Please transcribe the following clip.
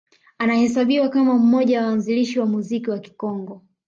Anahesabiwa kama mmoja wa waanzilishi wa muziki wa Kikongo